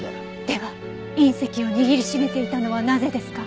では隕石を握り締めていたのはなぜですか？